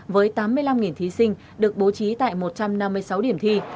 với tám mươi năm thí sinh được bố trí tại một trăm năm mươi sáu điểm thi